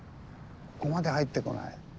ここまで入ってこない。